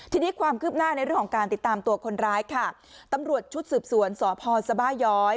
ทีนี้ความคืบหน้าในเรื่องของการติดตามตัวคนร้ายค่ะตำรวจชุดสืบสวนสพสบาย้อย